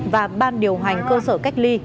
và ban điều hành cơ sở cách ly